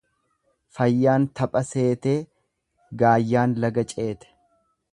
Fayyaan tapha seetee gaayyaan laga ceete.